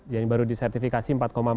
yang baru disertifikasi empat empat